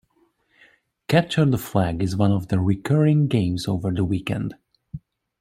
Capture the Flag is one of the recurring games over the weekend.